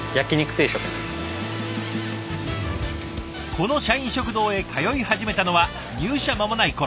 この社員食堂へ通い始めたのは入社間もない頃。